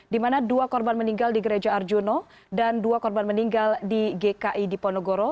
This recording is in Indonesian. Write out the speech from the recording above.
di mana dua korban meninggal di gereja arjuna dan dua korban meninggal di gki di ponegoro